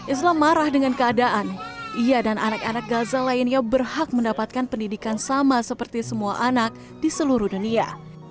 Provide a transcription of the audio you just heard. islam marah dengan keadaan ia dan anak anak gaza lainnya berhak mendapatkan pendidikan sama seperti semua anak di seluruh dunia